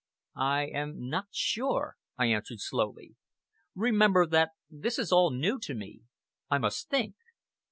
"I am not sure," I answered slowly. "Remember that this is all new to me. I must think!"